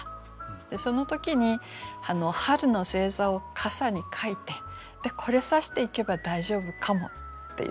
でその時に春の星座を傘に描いてでこれ差していけば大丈夫かもっていうね。